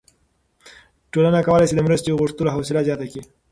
ټولنه کولی شي د مرستې غوښتلو حوصله زیاته کړي.